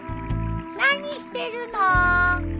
何してるの？